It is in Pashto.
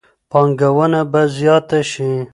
پانګونه به زیاته شي.